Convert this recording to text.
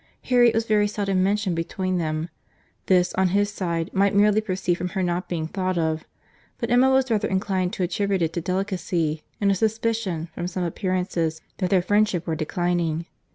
—Harriet was very seldom mentioned between them. This, on his side, might merely proceed from her not being thought of; but Emma was rather inclined to attribute it to delicacy, and a suspicion, from some appearances, that their friendship were declining.